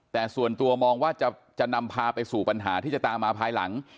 แต่ส่วนตัวมองว่าจะนำพาไปสู่ปัญหาที่จะตามมาภายหลัง